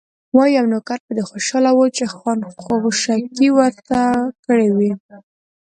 وايي، یو نوکر په دې خوشاله و چې خان خوشکې ورته کړې وې.